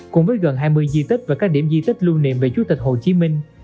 cùng với gần hai mươi di tích và các điểm di tích lưu niệm về chủ tịch hồ chí minh